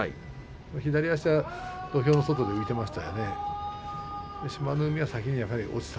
左足は土俵の外に浮いていました。